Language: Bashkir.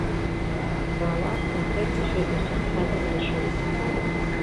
Бала әсә кеше өсөн ҡәҙерле шул.